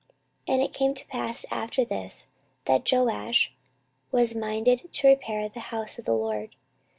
14:024:004 And it came to pass after this, that Joash was minded to repair the house of the LORD.